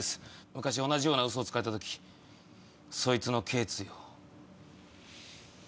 昔同じようなウソをつかれた時そいつの頸椎を。